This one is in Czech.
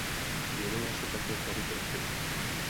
Věnoval se také kaligrafii.